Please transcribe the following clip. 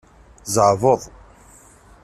Zeɛbeḍ.